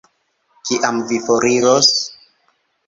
Kiam vi foriros?